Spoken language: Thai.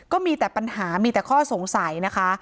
ก็มีแต่ปัญหามีแต่ข้อสงสัยนะคะ